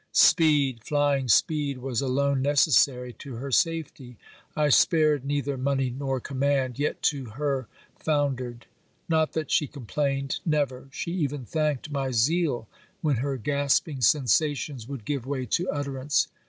Speed, flying speed, was alone necessary to her safety. I spared neither money nor command, yet to her foundered. Not that she complained. Never! She even thanked my zeal, when her gasping sensations would give way to utterance.